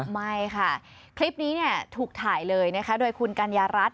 ไม่ค่ะคลิปนี้ถูกถ่ายเลยนะคะโดยคุณกัญญารัฐ